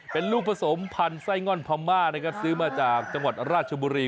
เป็นลูกผสมพันธุ์ไส้ง่อนพม่านะครับซื้อมาจากจังหวัดราชบุรี